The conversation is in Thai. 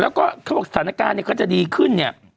แล้วก็เขาบอกสถานการณ์ก็จะดีขึ้น